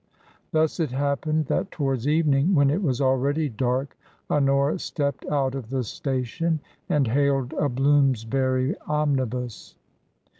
Thus it happened that towards evening, when it was already dark, Honora stepped out of the station and hailed a Bloomsbury omnibus.